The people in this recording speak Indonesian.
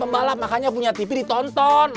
makanya punya tv ditonton